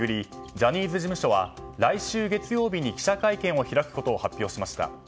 ジャニーズ事務所は来週月曜日に記者会見を開くことを発表しました。